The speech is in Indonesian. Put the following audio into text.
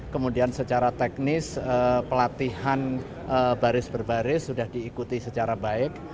kemudian secara teknis pelatihan baris berbaris sudah diikuti secara baik